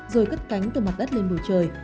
rồi cất cánh từ mặt đất lên bầu trời